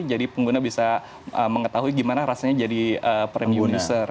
jadi pengguna bisa mengetahui bagaimana rasanya jadi premium user